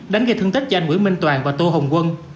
đánh gây thương tích cho anh nguyễn minh toàn và tô hồng quân